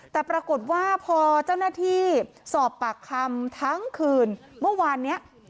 แต่ปรากฏว่าพอเจ้าหน้าที่สอบปากคำทั้งคืนเมื่อวานนี้